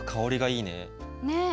ねえ。